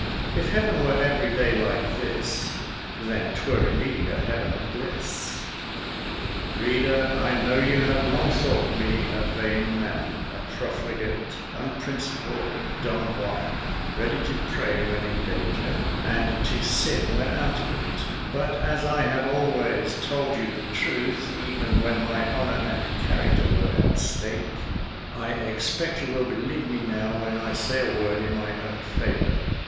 "If Heaven were every day like this, Then 'twere indeed a Heaven of bliss." Reader, I know you have long thought me a vain man a profligate, unprincipled Don Juan, ready to pray when in danger, and to sin when out of it: but as I have always told you the truth, even when my honour and character were at stake, I expect you will believe me now, when I say a word in my own favour.